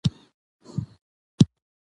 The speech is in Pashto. د نجونو تعلیم د فضا په اړه پوهه زیاتوي.